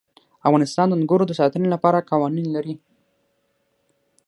افغانستان د انګورو د ساتنې لپاره قوانین لري.